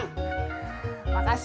lemos amat sejam segini